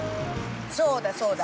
◆そうだそうだ。